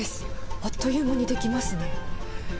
あっという間に出来ますね。